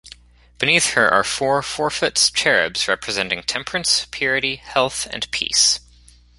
Beneath her are four four-foot cherubs representing Temperance, Purity, Health, and Peace.